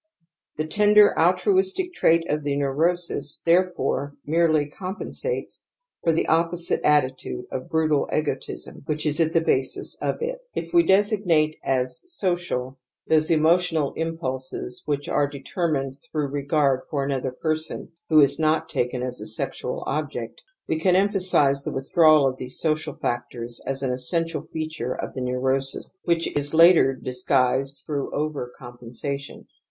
The tender altruistic J;rait of the neurosis therefore naeiely compensates for the _opposj; te^ attit u^eofjbrutal egQtigjXLwfaickjs ^t thejbas is ofrt, Ifwe designate as social those emotional impulses which are determined through regard for another person who is not taken as a" sexual object, we can emphasize the withdrawal of these social factors as an essential feature of the neurosis, which is later disguised through over compensation.